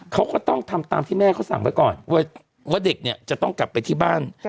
เขาก็ต้องทำตามที่แม่เขาสั่งไว้ก่อนว่าเด็กเนี่ยจะต้องกลับไปที่บ้าน